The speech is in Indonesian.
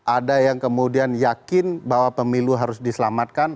ada yang kemudian yakin bahwa pemilu harus diselamatkan